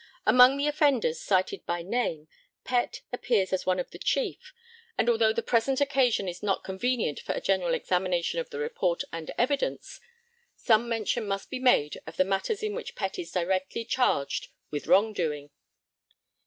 Among the offenders cited by name, Pett appears as one of the chief, and although the present occasion is not convenient for a general examination of the report and evidence, some mention must be made of the matters in which Pett is directly charged with wrong doing.